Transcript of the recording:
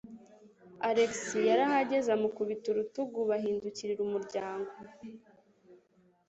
Alex yarahagaze amukubita urutugu bahindukirira umuryango.